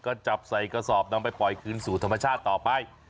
ก็จับใส่กระสอบนำไปปล่อยคืนสู่ธรรมชาติต่อไป